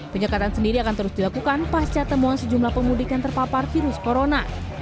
penyekatan sendiri akan terus dilakukan pasca temuan sejumlah pemudik yang terpapar virus corona